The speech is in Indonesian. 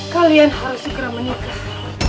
kalian harus segera menikah